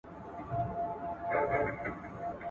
سرمایوي اجناس بشري ځواک فعالوي.